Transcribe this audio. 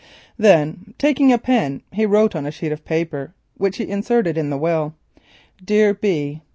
Then, taking a pen, he wrote on a sheet of paper which he inserted in the will, "Dear B.